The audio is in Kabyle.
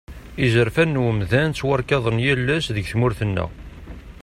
Izerfan n umdan ttwarkaḍen yal ass deg tmurt-nneɣ.